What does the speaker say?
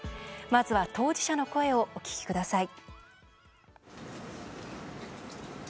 まずは、当事者の声をお聞きください。